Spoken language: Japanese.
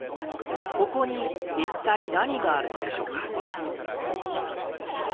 ここに一体何があるのでしょうか。